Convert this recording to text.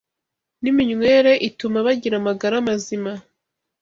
n’iminywere ituma bagira amagara mazima.